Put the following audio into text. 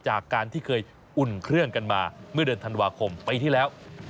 จากการที่เคยอุ่นเครื่องกันมาเมื่อเดือนธันวาคมปีที่แล้ว